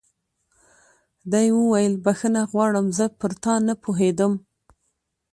ده وویل: بخښنه غواړم، زه پر تا نه پوهېدم.